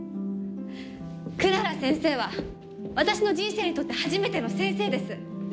クララ先生は私の人生にとって初めての先生です。